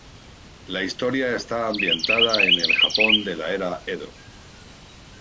La historia está ambientada en el Japón de la era Edo.